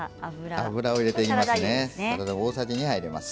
油を入れていきます。